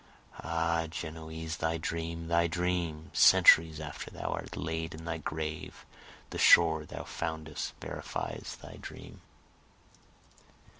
(Ah Genoese thy dream! thy dream! Centuries after thou art laid in thy grave, The shore thou foundest verifies thy dream.)